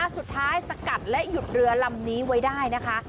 สกัดและหยุดเรือลำนี้ไว้ได้นะคะ